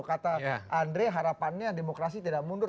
kata andre harapannya demokrasi tidak mundur